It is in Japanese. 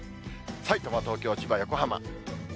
さいたま、東京、千葉、横浜。